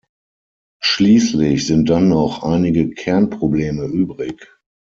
Schließlich sind dann noch einige Kernprobleme übrig.